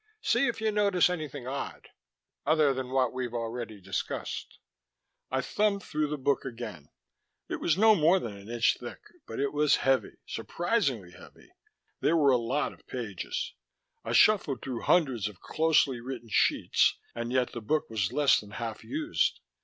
"See if you notice anything odd other than what we've already discussed." I thumbed through the book again. It was no more than an inch thick, but it was heavy surprisingly heavy. There were a lot of pages I shuffled through hundreds of closely written sheets, and yet the book was less than half used.